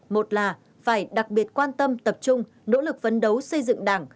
một là phải đặc biệt quan tâm tập trung nỗ lực vấn đấu xây dựng đảng